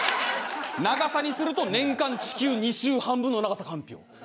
長さにすると年間地球２周半分の長さかんぴょう。